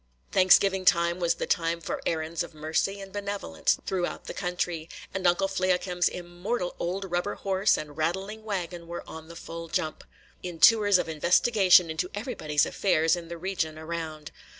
Thanksgiving time was the time for errands of mercy and benevolence through the country; and Uncle Fliakim's immortal old rubber horse and rattling wagon were on the full jump, in tours of investigation into everybody's affairs in the region around.